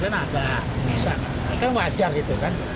kan ada bisa kan wajar itu kan